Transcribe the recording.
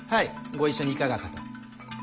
ご一緒にいかがかと。